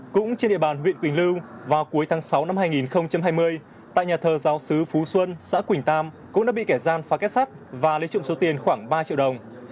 cũng trên địa bàn huyện quỳnh lưu vào cuối tháng sáu năm hai nghìn hai mươi tại nhà thờ giáo sứ phú xuân xã quỳnh tam cũng đã bị kẻ gian phá kết sắt và lấy trộm số tiền khoảng ba triệu đồng